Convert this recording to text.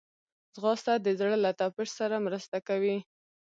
ځغاسته د زړه له تپش سره مرسته کوي